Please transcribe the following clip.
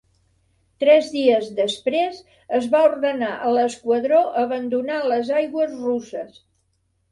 Tres dies després, es va ordenar a l'esquadró abandonar les aigües russes.